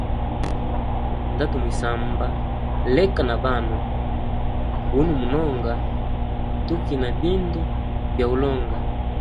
Ndatumwisamba leka na banwe guno mononga tukina bindu bya ulonga.